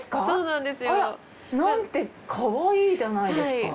そうなんですよ。なんてかわいいじゃないですか。